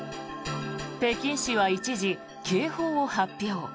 北京市は一時、警報を発表。